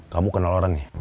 kamu kenal orang ya